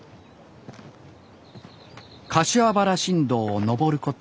柏原新道を登ること